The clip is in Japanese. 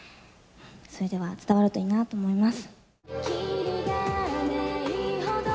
それが伝わるといいなと思います。